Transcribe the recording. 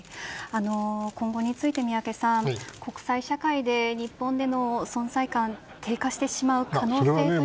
今後について、宮家さん国際社会で日本の存在感が低下してしまう可能性ありますか。